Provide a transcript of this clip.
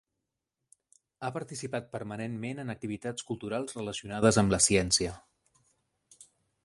Ha participat permanentment en activitats culturals relacionades amb la ciència.